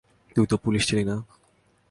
তুই তো পুলিশ ছিলি না।